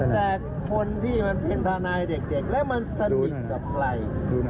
แต่คนที่มันเป็นทนายเด็กแล้วมันสนิทกับใคร